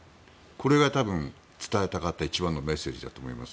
これが多分、伝えたかった一番のメッセージだと思います。